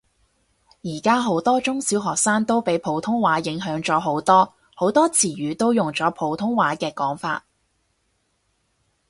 而家好多中小學生都俾普通話影響咗好多，好多詞語都用咗普通話嘅講法